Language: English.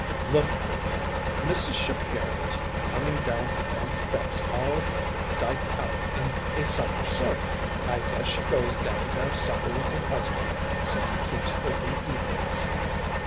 "Look, will you? Mrs. Shapiro's coming down her front steps all diked out in a summer silk. I guess she goes down to have supper with her husband, since he keeps open evenings."